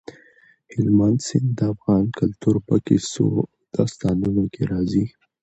هلمند سیند د افغان کلتور په کیسو او داستانونو کې راځي.